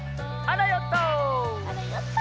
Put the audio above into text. あらヨット！